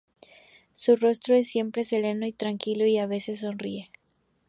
Su rostro es siempre sereno y tranquilo, y a veces sonríe.